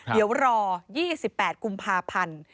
เดี๋ยวรอ๒๘กุมภาพันธ์